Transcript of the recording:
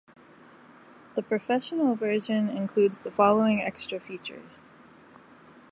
The professional version includes the following extra features.